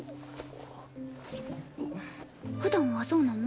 普段はそうなの？